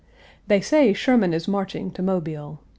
"They say Sherman is marching to Mobile.